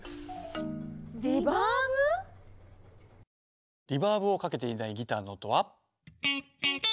リバーブをかけていないギターの音は。